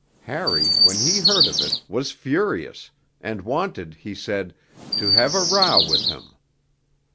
Harry, when he heard of it, was furious, and wanted, he said, to 'have a row' with him.